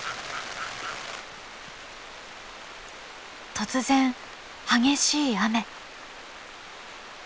突然激しい雨。